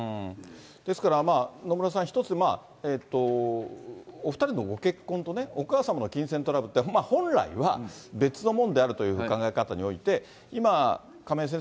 ですから野村さん、一つ、お２人のご結婚とお母様の金銭トラブルって、本来は別のもんであるという考え方において、今、亀井先生